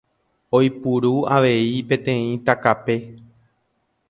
Oipuru avei peteĩ takape.